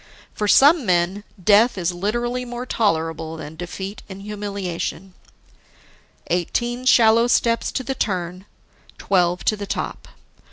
For some men, death is literally more tolerable than defeat in humiliation. Eighteen shallow steps to the turn, twelve to the top.